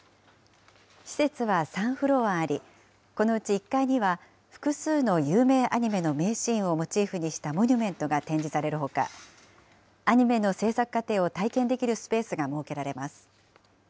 施設は３フロアあり、このうち１階には複数の有名アニメの名シーンをモチーフにしたモニュメントが展示されるほか、アニメの制作過程を体験できるスペースが設けられます。